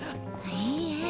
いいえ。